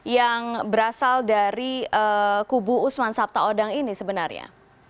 yang berasal dari kubu usman sabta odang ini sebenarnya